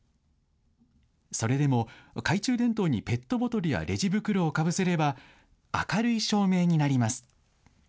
それでも懐中電灯にペットボトルやレジ袋をかぶせれば明るい照明になります。